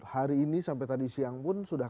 hari ini sampai tadi siang pun sudah